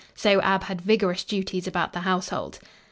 So Ab had vigorous duties about the household.